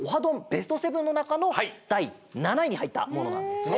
ベスト７のなかのだい７位にはいったものなんですね。